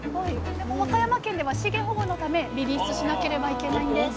でも和歌山県では資源保護のためリリースしなければいけないんですあ